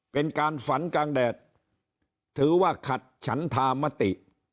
เป็นการฝันกลางแดดถือว่าขัดฉันธามติ